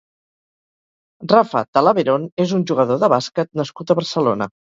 Rafa Talaverón és un jugador de bàsquet nascut a Barcelona.